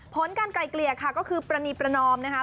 ผลการไกลเกลี่ยค่ะก็คือปรณีประนอมนะคะ